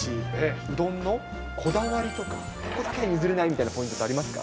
うどんのこだわりとか、これだけは譲れないというポイントありますか？